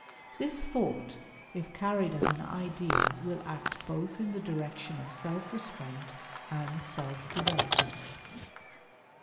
This thought, if carried as an ideal, will act both in the direction of self restraint and self development.